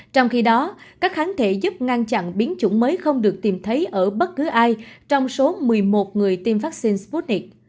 trong khi đó các kháng thể giúp ngăn chặn biến chủng mới không được tìm thấy ở bất cứ ai trong số một mươi một người tiêm vaccine sputnic